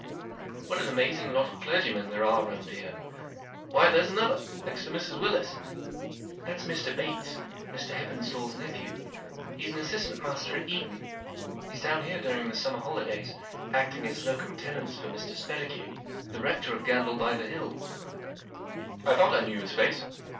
" What an amazing lot of clergymen there are round here. Why, there's another, next to Mrs. Willis." " That's Mr. Bates, Mr. HeppenstalTs nephew. He's an assistant master at Eton. He's down here during the summer holidays^ acting as locum tenens for Mr. Spettigue, the rector of Gandle by the Hill." " I thought I knew his face.